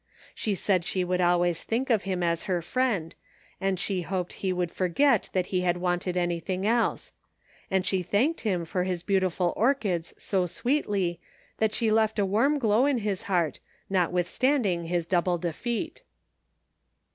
She said she should always think of him as her friend, and she hoped he would forget that he had wanted an)rthing else; and she thanked him for his beautiful orchids so sweetly that she left a warm glow in his heart, notwithstanding his double defeat.